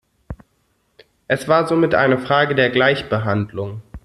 Es war somit eine Frage der Gleichbehandlung.